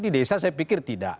di desa saya pikir tidak